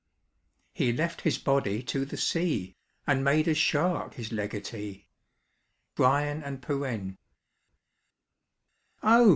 "He left his body to the sea, And made a shark his legatee." BRYAN AND PERENNE. "Oh!